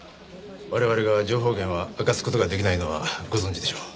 我々が情報源は明かす事が出来ないのはご存じでしょう？